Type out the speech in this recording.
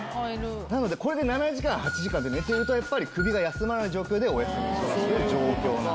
なのでこれで７時間８時間って寝てるとやっぱり首が休まらない状況でお休みしている状況なんですね。